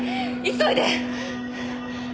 急いで！